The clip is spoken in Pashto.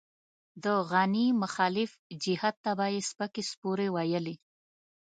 د غني مخالف جهت ته به يې سپکې سپورې ويلې.